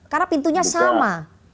karena pintunya sama